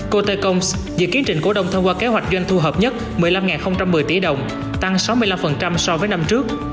cotecomes dự kiến trình cổ đông thông qua kế hoạch doanh thu hợp nhất một mươi năm một mươi tỷ đồng tăng sáu mươi năm so với năm trước